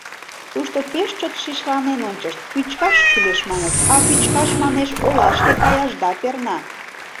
Тушто пеш чот шишланен ончышт: «Пӱчкаш кӱлеш, маныт, а пӱчкаш, манеш, олашке каяшда перна».